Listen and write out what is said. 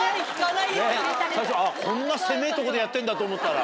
最初こんな狭ぇとこでやってんだと思ったら。